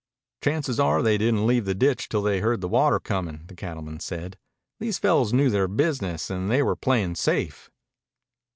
"Chances are they didn't leave the ditch till they heard the water comin'," the cattleman said. "These fellows knew their business, and they were playin' safe."